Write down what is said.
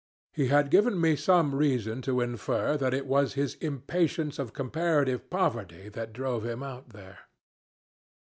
He had given me some reason to infer that it was his impatience of comparative poverty that drove him out there.